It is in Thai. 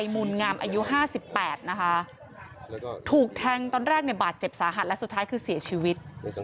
มูลงามอายุ๕๘นะคะถูกแทงตอนแรกเนี่ยบาดเจ็บสาหัสและสุดท้ายคือเสียชีวิต